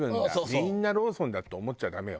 「みんなローソンだ」って思っちゃダメよ。